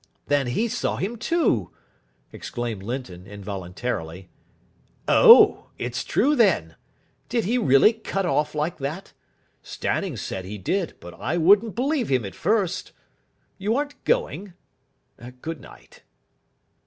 "Then he saw him, too!" exclaimed Linton, involuntarily. "Oh, it's true, then? Did he really cut off like that? Stanning said he did, but I wouldn't believe him at first. You aren't going? Good night."